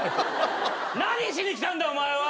何しに来たんだお前は。